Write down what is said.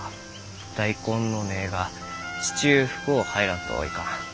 大根の根が地中深う入らんといかん。